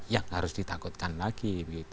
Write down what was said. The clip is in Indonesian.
yang harus ditakutkan lagi